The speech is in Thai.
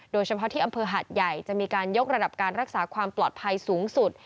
โดยเฉพาะที่อำเภอหาดใหญ่จะมีการยกระดับการรักษาความปลอดภัยสูงสุด